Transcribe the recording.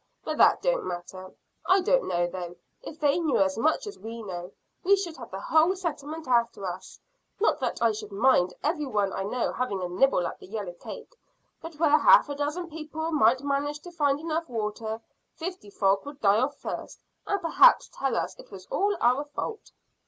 But that don't matter. I don't know, though: if they knew as much as we know we should have the whole settlement after us; not that I should mind every one I know having a nibble at the yellow cake, but where half a dozen people might manage to find enough water, fifty folk would die of thirst, and perhaps tell us it was all our fault."